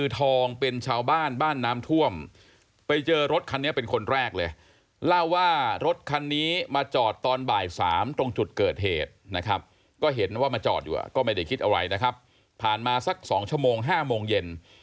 ก็เห็นว่ามาจอดอยู่ก็ไม่ได้คิดอะไรนะครับผ่านมาสัก๒ชั่วโมง๕โมงเย็น